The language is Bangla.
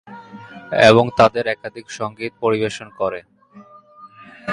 এবং তাদের একাধিক সংগীত পরিবেশন করে।